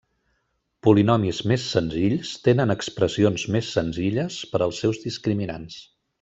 Polinomis més senzills tenen expressions més senzilles per als seus discriminants.